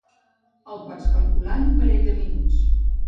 El pots calcular en un parell de minuts.